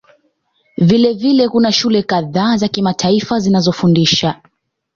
Vilevile kuna shule kadhaa za kimataifa zinazofundisha